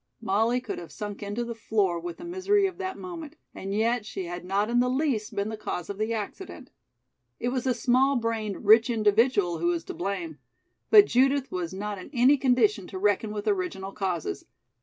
Molly could have sunk into the floor with the misery of that moment, and yet she had not in the least been the cause of the accident. It was the small brained rich individual who was to blame. But Judith was not in any condition to reckon with original causes.